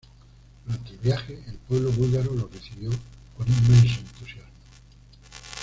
Durante el viaje el pueblo búlgaro lo recibió con inmenso entusiasmo.